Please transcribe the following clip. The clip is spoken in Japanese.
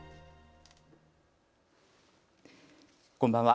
こんばんは。